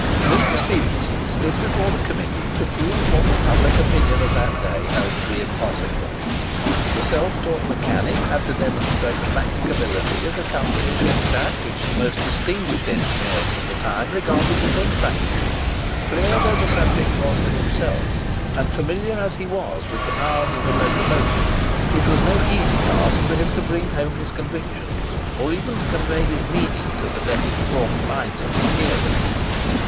Mr. Stephenson stood before the Committee to prove what the public opinion of that day held to be impossible. The self taught mechanic had to demonstrate the practicability of accomplishing that which the most distinguished engineers of the time regarded as impracticable. Clear though the subject was to himself, and familiar as he was with the powers of the locomotive, it was no easy task for him to bring home his convictions, or even to convey his meaning, to the less informed minds of his hearers.